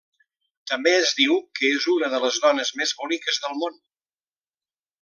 També es diu que és una de les dones més boniques del món.